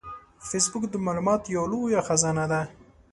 فېسبوک د معلوماتو یو لوی خزانه ده